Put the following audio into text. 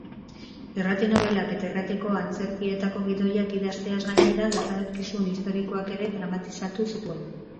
Irrati-nobelak eta irratiko antzerkietako gidoiak idazteaz gainera, gertakizun historikoak ere dramatizatu zituen.